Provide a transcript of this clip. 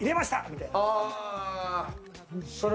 みたいな。